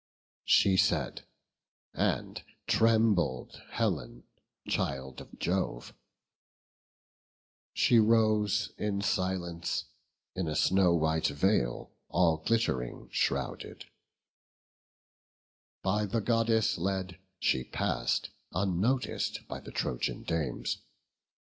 She said; and trembled Helen, child of Jove; She rose in silence; in a snow white veil All glitt'ring, shrouded; by the Goddess led She pass'd, unnotic'd by the Trojan dames.